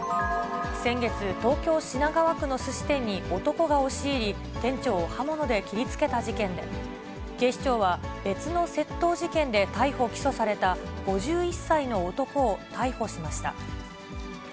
先月、東京・品川区のすし店に男が押し入り、店長を刃物で切りつけた事件で、警視庁は別の窃盗事件で逮捕・起訴された５１歳の男を逮捕しました。